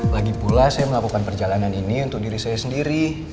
lagipula saya melakukan perjalanan ini untuk diri saya sendiri